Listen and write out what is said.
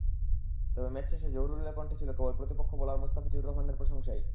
তবে ম্যাচ শেষে জহুরুলের কণ্ঠে ছিল কেবল প্রতিপক্ষ বোলার মুস্তাফিজুর রহমানের প্রশংসাই।